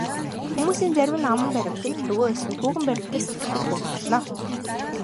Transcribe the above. Хүмүүсийн зарим нь аман баримтад, нөгөө хэсэг нь түүхэн баримтад итгэдэг байж ч болно.